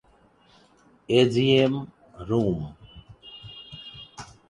In some pottery it appears as a tasselled cover over Athena's dress.